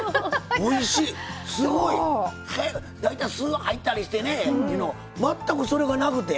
すごい！大体すが入ったりしてねっていうの全くそれがなくて。